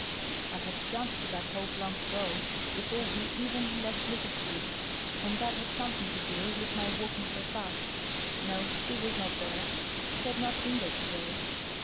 I had jumped to that hope long ago, before we even left Lucas Street, and that had something to do with my walking so fast. No, he was not there, he had not been there to day.